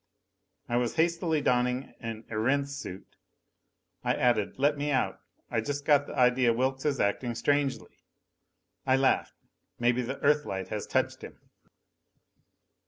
I was hastily donning an Erentz suit. I added, "Let me out. I just got the idea Wilks is acting strangely." I laughed. "Maybe the Earthlight has touched him."